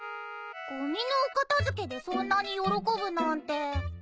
ごみのお片付けでそんなに喜ぶなんて。